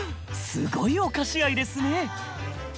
すごいお菓子愛ですね。